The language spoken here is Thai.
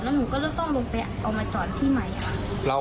แล้วหนูก็จะต้องลงไปเอามาจอดที่ใหม่ค่ะ